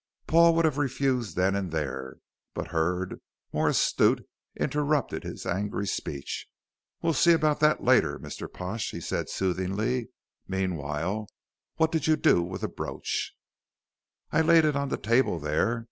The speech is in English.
Paul would have refused then and there, but Hurd, more astute, interrupted his angry speech. "We'll see about that later, Mr. Pash," he said, soothingly; "meanwhile, what did you do with the brooch?" "I laid it on the table there.